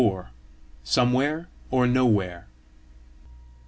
SOMEWHERE OR NOWHERE?